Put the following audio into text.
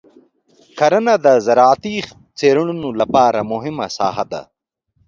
کرنه د زراعتي څېړنو لپاره مهمه ساحه ده.